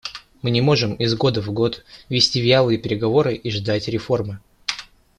Мы не можем из года в год вести вялые переговоры и ждать реформы.